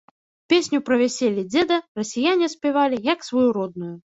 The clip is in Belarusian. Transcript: Песню пра вяселлі дзеда расіяне спявалі, як сваю родную.